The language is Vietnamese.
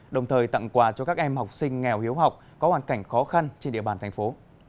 đồng thời tặng quà cho các em học sinh nghèo hiếu học có hoàn cảnh khó khăn trên địa bàn thành phố